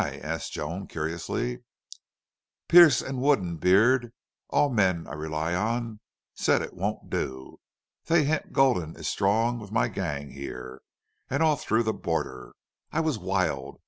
asked Joan, curiously. "Pearce and Wood and Beard, all men I rely on, said it won't do. They hint Gulden is strong with my gang here, and all through the border. I was wild.